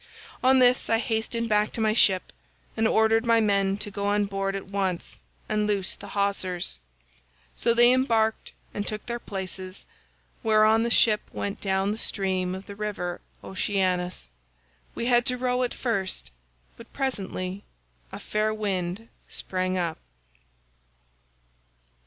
On this I hastened back to my ship and ordered my men to go on board at once and loose the hawsers; so they embarked and took their places, whereon the ship went down the stream of the river Oceanus. We had to row at first, but presently a fair wind sprang up.